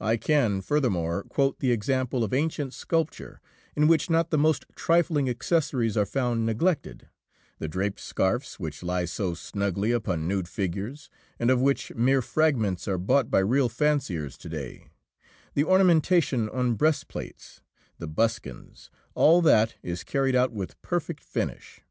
I can, furthermore, quote the example of ancient sculpture, in which not the most trifling accessories are found neglected: the draped scarfs which lie so snugly upon nude figures, and of which mere fragments are bought by real fanciers to day, the ornamentation on breastplates, the buskins all that is carried out with perfect finish.